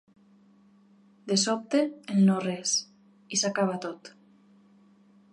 De sobte, el no-res; i s’acaba tot.